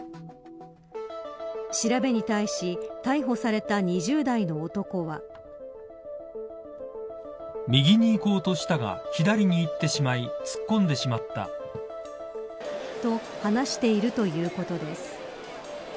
調べに対し逮捕された２０代の男は。と話しているということです。